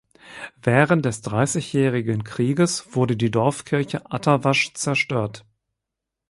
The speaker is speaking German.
Während des Dreißigjährigen Krieges wurde die Dorfkirche Atterwasch zerstört.